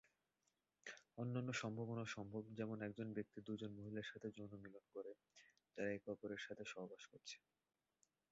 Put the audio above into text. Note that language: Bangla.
অন্যান্য সম্ভাবনাও সম্ভব, যেমন একজন ব্যক্তি দু'জন মহিলার সাথে যৌন মিলন করে যারা একে অপরের সাথে সহবাস করছে।